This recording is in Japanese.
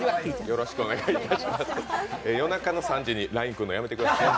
夜中の３時にＬＩＮＥくるの、やめてください。